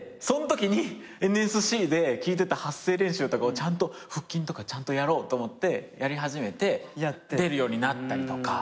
そんときにＮＳＣで聞いてた発声練習とかを腹筋とかちゃんとやろうと思ってやり始めて出るようになったり。